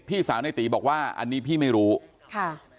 สาวในตีบอกว่าอันนี้พี่ไม่รู้ค่ะ